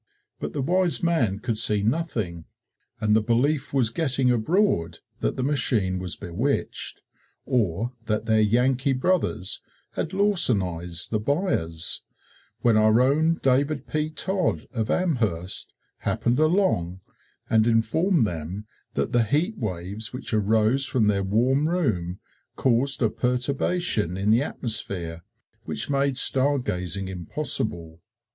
But the wise man could see nothing and the belief was getting abroad that the machine was bewitched, or that their Yankee brothers had lawsonized the buyers, when our own David P. Todd, of Amherst, happened along and informed them that the heat waves which arose from their warm room caused a perturbation in the atmosphere which made star gazing impossible.